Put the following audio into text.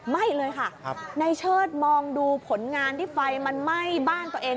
ไหม้เลยค่ะในเชิดมองดูผลงานที่ไฟมันไหม้บ้านตัวเอง